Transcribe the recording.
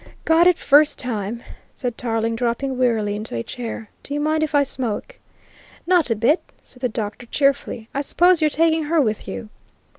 "Got it first time," said Tarling, dropping wearily into a chair. "Do you mind if I smoke?" "Not a bit," said the doctor cheerfully. "I suppose you're taking her with you?"